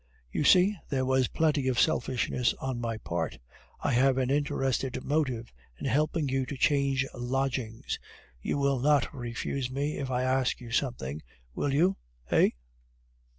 You see, there was plenty of selfishness on my part; I have an interested motive in helping you to change lodgings. You will not refuse me if I ask you something; will you, eh?"